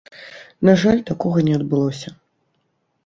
На жаль, такога не адбылося.